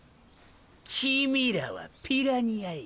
キミィらはピラニアや。